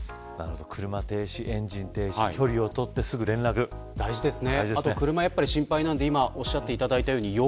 車停止、エンジン停止距離を取ってすぐ連絡、大事ですね。